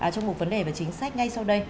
trong một vấn đề về chính sách ngay sau đây